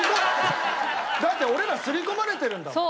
だって俺ら刷り込まれてるんだもん。